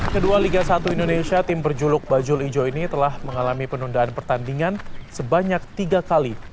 kedua liga satu indonesia tim berjuluk bajul ijo ini telah mengalami penundaan pertandingan sebanyak tiga kali